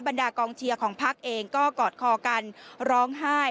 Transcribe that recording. ดากองเชียร์ของพักเองก็กอดคอกันร้องไห้